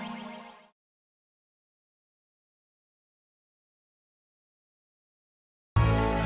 tidak usah dibahas lagi